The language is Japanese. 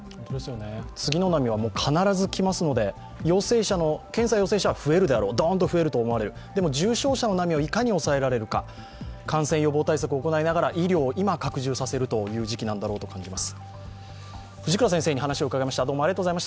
次の波は必ず来ますので、検査陽性者はどーんと増えると思われる、でも、重症者の波をいかに抑えられるか感染予防対策を行いながら医療を今、拡充させる時期なんだろうと思います。